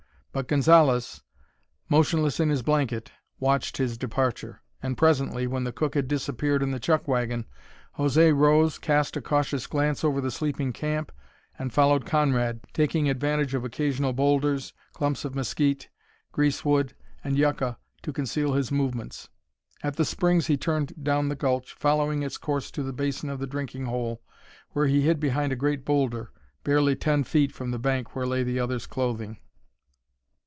But Gonzalez, motionless in his blanket, watched his departure. And presently, when the cook had disappeared in the chuck wagon, José rose, cast a cautious glance over the sleeping camp, and followed Conrad, taking advantage of occasional boulders, clumps of mesquite, greasewood, and yucca to conceal his movements. At the springs he turned down the gulch, following its course to the basin of the drinking hole, where he hid behind a great boulder, barely ten feet from the bank where lay the other's clothing.